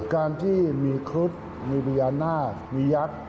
การที่มีครุฑมีบริยานาธิ์มียักษ์